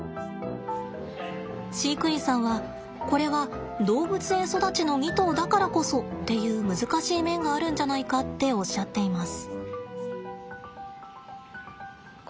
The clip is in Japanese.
飼育員さんはこれは動物園育ちの２頭だからこそっていう難しい面があるんじゃないかっておっしゃっています。